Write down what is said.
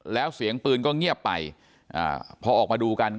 แล้วเสียงปืนก็เงียบไปอ่าพอออกมาดูกัน